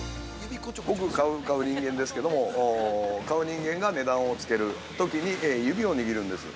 ◆僕、買う人間ですけども買う人間が値段をつけるときに指を握るんです。